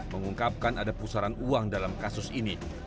mengungkapkan ada pusaran uang dalam kasus ini